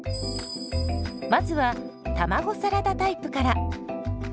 まずは卵サラダタイプから。